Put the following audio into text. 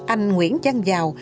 anh nguyễn văn dào